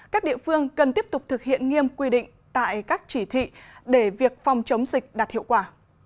các địa phương cần tiếp tục thực hiện nghiêm quy định tại các chỉ thị để việc phòng chống dịch đạt hiệu quả